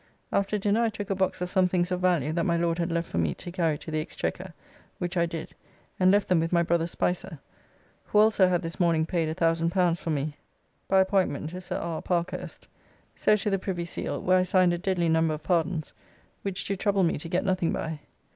After dinner I took a box of some things of value that my Lord had left for me to carry to the Exchequer, which I did, and left them with my Brother Spicer, who also had this morning paid L1000 for me by appointment to Sir R. Parkhurst. So to the Privy Seal, where I signed a deadly number of pardons, which do trouble me to get nothing by.